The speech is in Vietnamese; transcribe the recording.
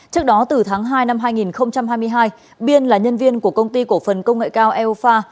trước đó từ tháng hai năm hai nghìn hai mươi hai biên là nhân viên của công ty cổ phần công nghệ cao eu